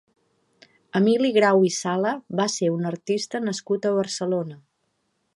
Emili Grau i Sala va ser un artista nascut a Barcelona.